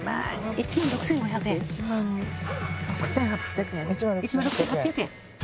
１６５００円１６８００円１６８００円